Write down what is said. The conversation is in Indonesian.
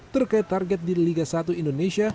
terkait target di liga satu indonesia